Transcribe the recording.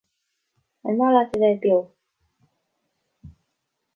An maith leat a bheith beo?